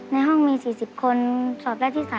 ในห้องมี๔๐คนสอบได้ที่๓